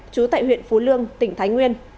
chú tại huyện phú lương tỉnh thái nguyên